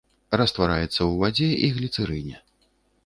Раствараецца ў вадзе і гліцэрыне.